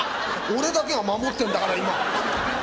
俺だけが守ってるんだから、今。